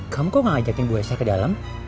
kamu kok gak ajakin mbak issa ke dalam